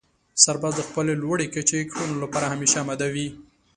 سرباز د خپلې لوړې کچې کړنو لپاره همېشه اماده وي.